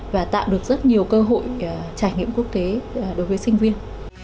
và tạo được rất nhiều cơ hội trải nghiệm quốc tế đối với sinh viên